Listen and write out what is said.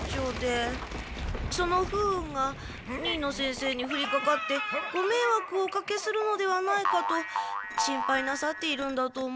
その不運が新野先生にふりかかってごめいわくをおかけするのではないかと心配なさっているんだと思う。